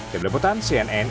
di beliputan cnn